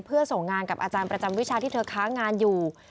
เพื่อส่งงานกับอาจารย์ประจำวิชาที่เธอค้างงานอยู่